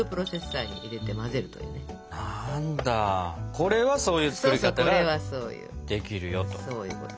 これはそういう作り方ができるよと。